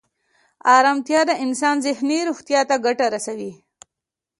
ارامتیا د انسان ذهني روغتیا ته ګټه رسوي.